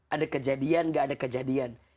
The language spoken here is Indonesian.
ada kejadian gak ada kejadian